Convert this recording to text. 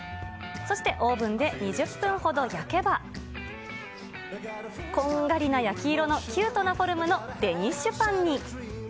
そしてオーブンで２０分ほど焼けば、こんがりな焼き色のキュートなフォルムのデニッシュパンに。